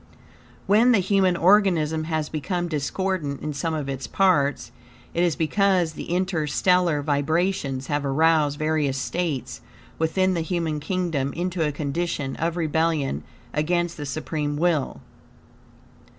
When the human organism has become discordant in some of its parts, it is because the interstellar vibrations have aroused various states within the human kingdom into a condition of rebellion against the supreme will.